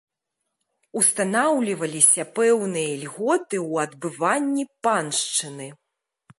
Устанаўліваліся пэўныя ільготы ў адбыванні паншчыны.